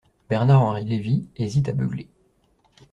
Bernard-Henri Lévy hésite à beugler.